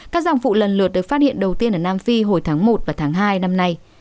các dòng vụ lần lượt được phát hiện đầu tiên ở nam phi hồi tháng một và tháng hai năm nay